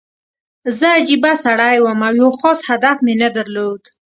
زه عجیبه سړی وم او یو خاص هدف مې نه درلود